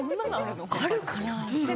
あるかな